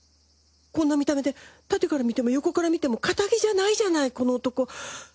こんな見た目で縦から見ても横から見てもカタギじゃないじゃないこの男！